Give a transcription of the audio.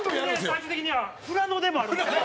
最終的には富良野でもあるんですよね。